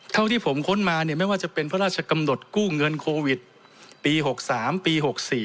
เท่าที่ผมค้นมาเนี่ยไม่ว่าจะเป็นพระราชกำหนดกู้เงินโควิดปี๖๓ปี๖๔